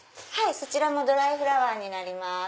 そちらもドライフラワーになります。